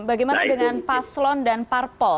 bagaimana dengan paslon dan parpol